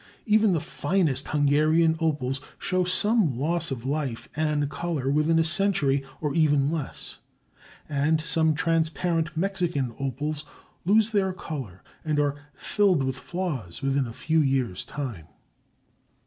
Even the finest Hungarian opals show some loss of life and color within a century or even less, and some transparent Mexican opals lose their color and are filled with flaws within a few years' time.